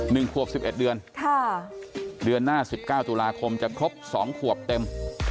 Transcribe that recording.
หนึ่งขวบสิบเอ็ดเดือนค่ะเดือนหน้าสิบเก้าตุลาคมจะครบสองขวบเต็ม